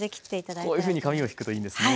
こういうふうに紙を引くといいんですね。